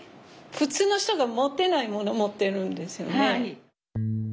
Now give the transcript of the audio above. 普通の人が持ってないもの持ってるんですよね。